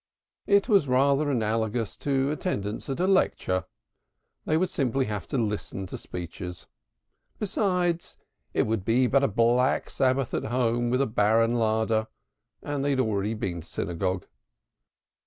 It was rather analogous to attendance at a lecture they would simply have to listen to speeches. Besides it would be but a black Sabbath at home with a barren larder, and they had already been to synagogue.